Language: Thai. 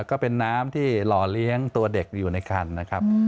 ก็เป็นน้ำที่หล่อเลี้ยงตัวเด็กอยู่ในคันนะครับ